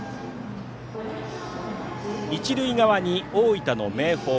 一塁側に、大分の明豊。